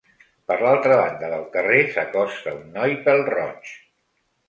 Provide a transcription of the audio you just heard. Per l'altra banda del carrer s'acosta un noi pèl-roig.